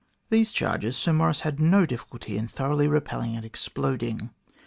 These charges Sir Maurice had no difficulty in thoroughly repelling and exploding.